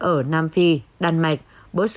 ở nam phi đan mạch botswana